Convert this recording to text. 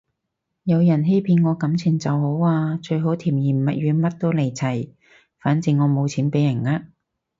有人欺騙我感情就好啊，最好甜言蜜語乜都嚟齊，反正我冇錢畀人呃